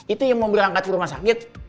itu yang mau berangkat ke rumah sakit